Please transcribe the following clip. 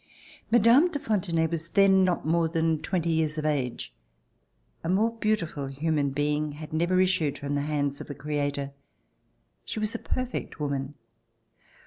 Mme. de Fontenay was then not more than twenty years of age. A more beautiful human being had never issued from the hands of the Creator. She was a perfect woman.